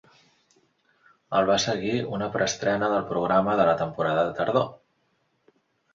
El va seguir una preestrena del programa de la temporada de tardor.